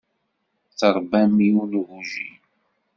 Tṛebbam yiwen n ugujil.